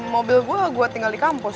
mobil gue gue tinggal di kampus